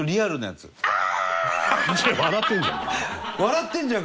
笑ってんじゃん。